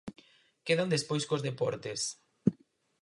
Quedan despois cos deportes.